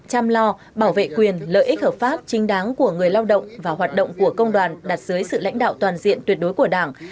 chăm lo bảo vệ quyền lợi ích hợp pháp chính đáng của người lao động và hoạt động của công đoàn đặt dưới sự lãnh đạo toàn diện tuyệt đối của đảng